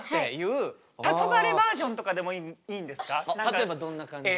例えばどんな感じで。